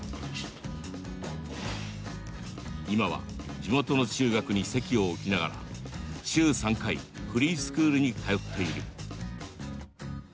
今は地元の中学に籍を置きながら週３回フリースクールに通っている。